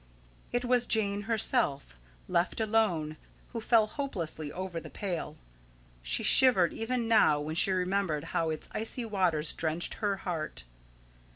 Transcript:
It was Jane herself, left alone, who fell hopelessly over the pail. She shivered even now when she remembered how its icy waters drenched her heart.